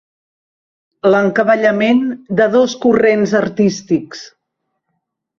L'encavallament de dos corrents artístics.